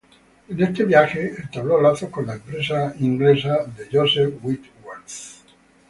En este viaje entabló lazos con la empresa inglesa de Joseph Whitworth.